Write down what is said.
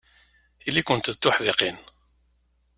Ili-kent d tuḥdiqin.